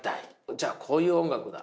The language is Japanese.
じゃあこういう音楽だ。